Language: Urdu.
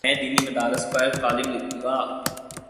میں دینی مدارس پر کالم لکھوں گا۔